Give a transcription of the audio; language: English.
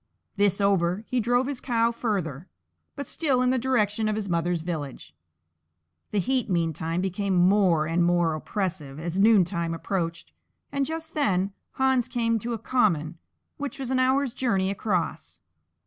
This over, he drove his cow farther, but still in the direction of his mother's village. The heat meantime became more and more oppressive as noontime approached, and just then Hans came to a common which was an hour's journey across.